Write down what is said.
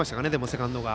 セカンドが。